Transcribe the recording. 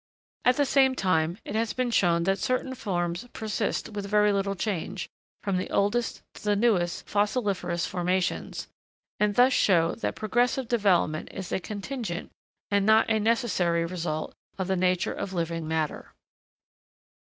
At the same time, it has been shown that certain forms persist with very little change, from the oldest to the newest fossiliferous formations; and thus show that progressive development is a contingent, and not a necessary result, of the nature of living matter.